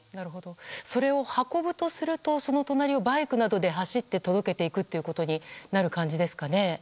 それを運ぶとすると隣をバイクなどで走って届けていくということになる感じですかね。